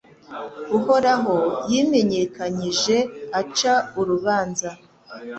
Uhoraho yimenyekanyije aca urubanza